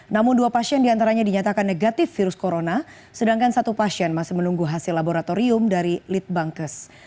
namun dua pasien diantaranya dinyatakan negatif virus corona sedangkan satu pasien masih menunggu hasil laboratorium dari litbangkes